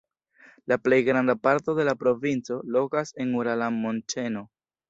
La plej granda parto de la provinco lokas en Urala montĉeno.